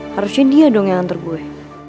harusnya dia dong yang antar gue